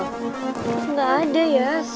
nggak ada yas